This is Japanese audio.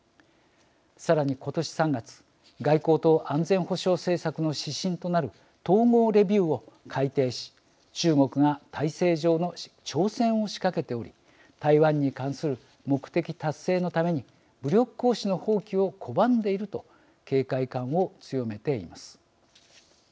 さらに今年３月外交と安全保障政策の指針となる統合レビューを改訂し中国が体制上の挑戦を仕掛けており台湾に関する目的達成のために武力行使の放棄を拒んでいると警戒感を強めています。